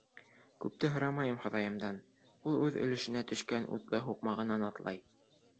Күпте һорамайым Хоҙайымдан, Ул үҙ өлөшөнә төшкән утлы һуҡмағынан атлай.